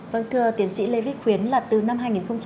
vâng thưa tiến sĩ lê vích khuyến là từ năm hai nghìn bảy